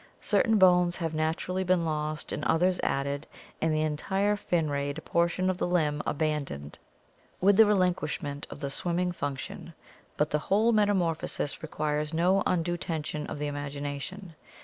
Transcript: Certain bones have naturally been lost and others added, and the entire fin rayed portion of the limb abandoned with the relinquishment of the swimming func tion; but the whole metamorphosis requires no undue tension of the imagination.